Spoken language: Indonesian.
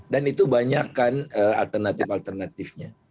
dan itu banyakan alternatif alternatifnya